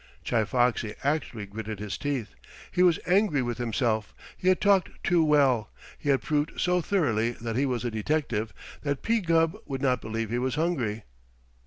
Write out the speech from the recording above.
Chi Foxy actually gritted his teeth. He was angry with himself. He had talked too well. He had proved so thoroughly that he was a detective that P. Gubb would not believe he was hungry.